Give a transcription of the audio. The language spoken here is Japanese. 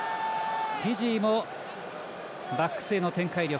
フィジーもバックスへの展開力。